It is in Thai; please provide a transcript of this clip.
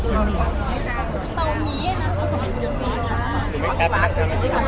อ๋อน้องมีหลายคน